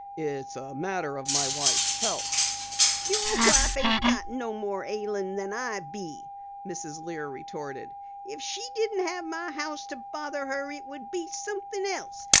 "It's a matter of my wife's health." "Your wife ain't no more ailin' than I be," Mrs. Lear retorted. "If she didn't have my house to bother her it would be somethin' else.